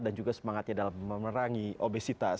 dan juga semangatnya dalam memerangi obesitas